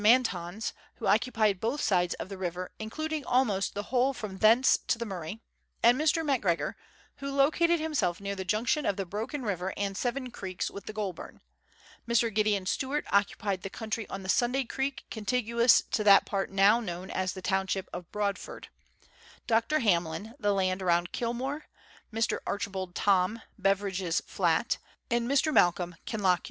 Mantons, who occupied both sides of the river, including almost the whole from thence to the Murray ; and Mr. Macgregor, who located himself near the junction of the Broken River and Seven Creeks with the G oulbura ; Mr. Gideon Stewai't occupied the country on the Sunday Creek contiguous to that part now known as the township of Broadford ; Dr. Hamlyn, the land around Kilmore ; Mr. Archibald Thorn, Beveridge's Flat ; and Mr. Malcolm, Kinlochewe.